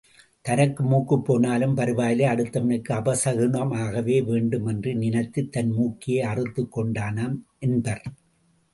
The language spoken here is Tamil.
தனக்கு மூக்குப்போனாலும் பரவாயில்லை அடுத்தவனுக்கு அபச குனமாக வேண்டும் என்று நினைத்துத் தன் மூக்கையே அறுத்துக் கொண்டானாம் என்பர்.